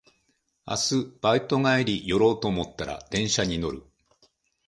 明日バイト帰り寄ろうと思ったら電車に乗る